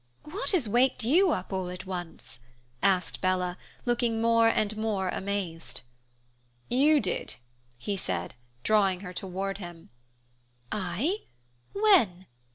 "What has waked you up all at once?" asked Bella, looking more and more amazed. "You did," he said, drawing her toward him. "I! When?